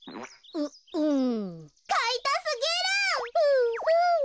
ううん。